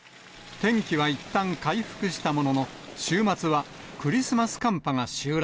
天気はいったん回復したものの、週末はクリスマス寒波が襲来。